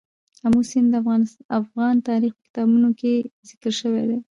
آمو سیند د افغان تاریخ په کتابونو کې ذکر شوی دی.